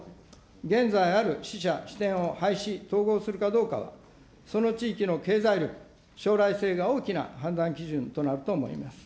現在ある支社・支店を廃止、統合するかどうかは、その地域の経済力、将来性が大きな判断基準となると思います。